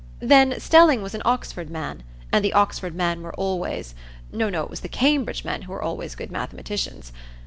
Then, Stelling was an Oxford man, and the Oxford men were always—no, no, it was the Cambridge men who were always good mathematicians.